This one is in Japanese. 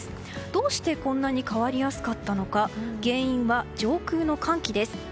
どうしてこんなに変わりやすかったのか原因は上空の寒気です。